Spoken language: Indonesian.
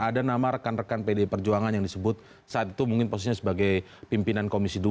ada nama rekan rekan pdi perjuangan yang disebut saat itu mungkin posisinya sebagai pimpinan komisi dua